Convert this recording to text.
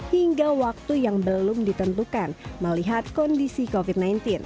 hingga waktu yang belum ditentukan melihat kondisi covid sembilan belas